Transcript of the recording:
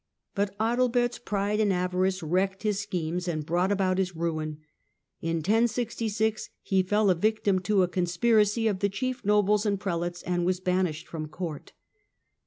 But Adalbert's pride and avarice wrecked his schemes, and brought about his ruin. In 1066 he fell a victim to a conspiracy of the chief nobles and prelates, and was banished from Court.